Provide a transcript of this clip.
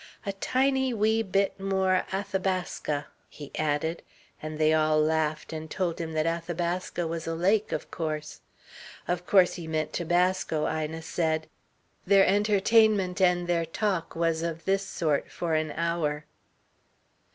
"A tiny wee bit more Athabasca," he added, and they all laughed and told him that Athabasca was a lake, of course. Of course he meant tobasco, Ina said. Their entertainment and their talk was of this sort, for an hour.